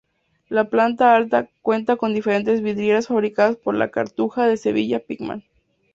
La planta alta cuenta con diferentes vidrieras fabricadas por La Cartuja de Sevilla-Pickman.